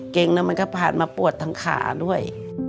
เก่งแล้วมันก็ผ่านมาปวดทั้งขาด้วย